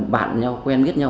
bạn nhau quen biết nhau